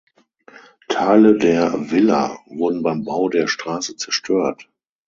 Teile der „Villa“ wurden beim Bau der Straße zerstört.